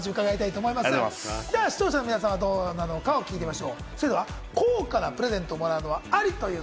視聴者の皆さんはどうなのかを聞いてみましょう。